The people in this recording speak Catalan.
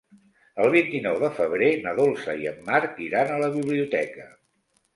El vint-i-nou de febrer na Dolça i en Marc iran a la biblioteca.